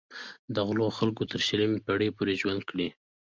دغو خلکو تر شلمې پیړۍ پورې ژوند کړی.